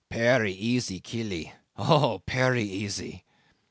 "Perry easy, kill e; oh! perry easy!"